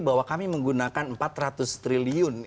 bahwa kami menggunakan empat ratus triliun